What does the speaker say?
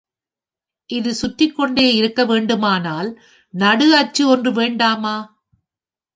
இது சுற்றிக் கொண்டே இருக்க வேண்டுமானால் நடு அச்சு ஒன்று வேண்டாமா?